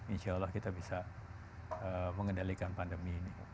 insya allah kita bisa mengendalikan pandemi ini